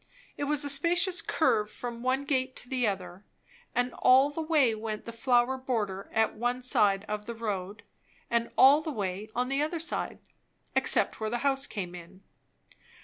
It was a spacious curve from one gate to the other; and all the way went the flower border at one side of the road, and all the way on the other side, except where the house came in.